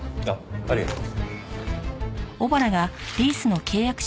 ありがとう。